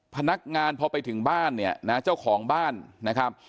พนักงานพอไปถึงบ้านเนี่ยนะเจ้าของบ้านนะครับ